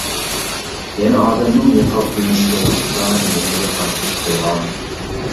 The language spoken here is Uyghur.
يەنى ئادەمنىڭ نىقابلىنىشى توغرىسىدا يېڭى بىر بايقاش بولغان.